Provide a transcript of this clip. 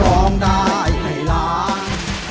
ร้องได้ให้ล้าน